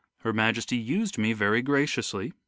Her Majesty used me very graciously